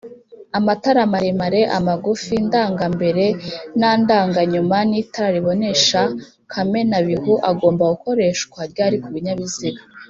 amatara maremare, amagufi, ndangambere, na ndanganyuma n’itara ribonesha kamenabihu agomba gukoreshwa ryari kubinyabiziga